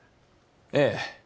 ええ。